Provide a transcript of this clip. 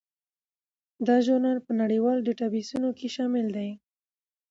دا ژورنال په نړیوالو ډیټابیسونو کې شامل دی.